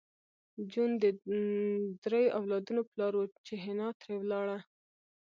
جون د دریو اولادونو پلار و چې حنا ترې لاړه